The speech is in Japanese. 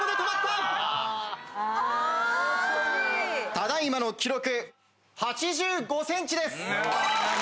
ただ今の記録８５ｃｍです！